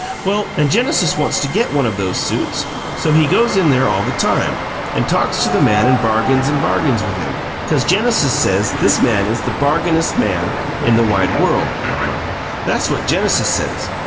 Well, an' Genesis wants to get one of those suits, so he goes in there all the time, an' talks to the man an' bargains an' bargains with him, 'cause Genesis says this man is the bargainest man in the wide worl', mamma! That's what Genesis says.